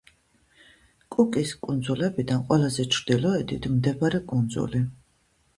კუკის კუნძულებიდან ყველაზე ჩრდილოეთით მდებარე კუნძული.